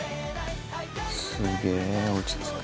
すげぇ落ち着く。